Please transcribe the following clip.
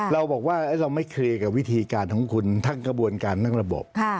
เราบอกว่าเราไม่เคลียร์กับวิธีการของคุณทั้งกระบวนการทั้งระบบ